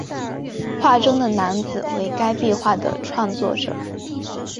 画中的男子为该壁画的创作者。